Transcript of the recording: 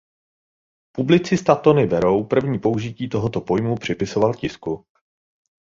Publicista Tony Barrow první použití tohoto pojmu připisoval tisku.